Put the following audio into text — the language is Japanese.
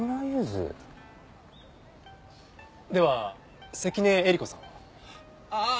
では関根えり子さんは？ああ！